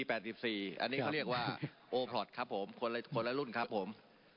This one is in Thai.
อันนี้เขาเรียกว่าโอพลอตครับผมคนละรุ่นครับผม